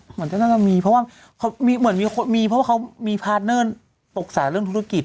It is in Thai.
เหมือนมีเพราะเขามีพาร์ทเนอร์ปรักษาเรื่องธุรกิจ